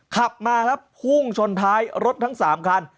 ขับมาครับพุ่งชนท้ายรถทั้ง๓คัน